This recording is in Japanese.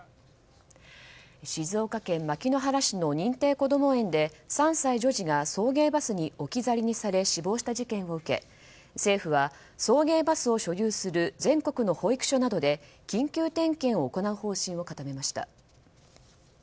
静岡県牧之原市の認定こども園で３歳女児が送迎バスに置き去りにされ死亡した事件を受け政府は送迎バスを所有する全国の保育所などで緊急点検を行う方針を固めました。